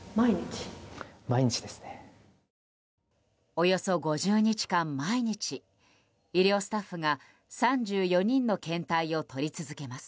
およそ５０日間、毎日医療スタッフが３４人の検体を取り続けます。